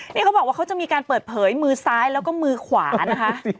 นี่เขาบอกว่าเขาจะมีการเปิดเผยมือซ้ายแล้วก็มือขวานะคะ